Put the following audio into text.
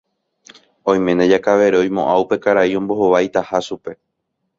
oiméne Jakavere oimo'ã upe karai ombohovaitaha ichupe.